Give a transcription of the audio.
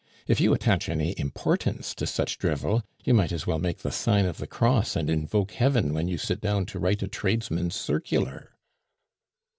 If you attach any importance to such drivel, you might as well make the sign of the Cross and invoke heaven when you sit down to write a tradesman's circular."